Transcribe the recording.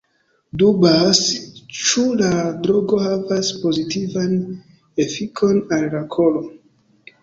Dubas, ĉu la drogo havas pozitivan efikon al la koro.